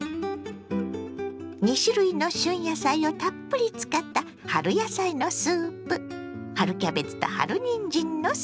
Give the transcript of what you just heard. ２種類の旬野菜をたっぷり使った春野菜のスープ。